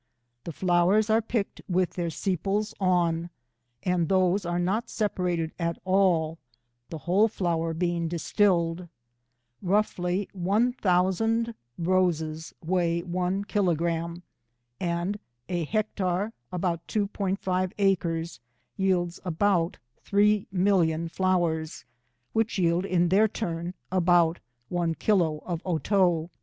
The flowers are picked with their sepals on, and these are not separated at all, the whole flower being distilled. Roughly, looo roses weigh one kilogram, and a hectare (about 2*5 acres) yields about 3,000,000 flowers, which yield, in their turn, about one kilo of otto.